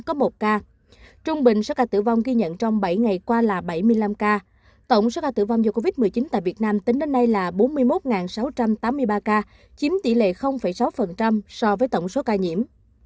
trung bình ca trung bình số ca tử vong ghi nhận trong bảy ngày qua là bảy mươi năm ca tổng số ca tử vong do covid một mươi chín tại việt nam tính đến nay là bốn mươi một sáu trăm tám mươi ba ca chiếm tỷ lệ sáu so với tổng số ca nhiễm